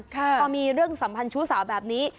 พอมีเรื่องสัมพันธ์ชู้สาวแบบนี้